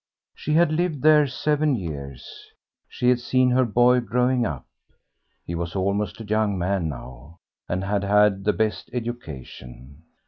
She had lived there seven years; she had seen her boy growing up he was almost a young man now, and had had the best education.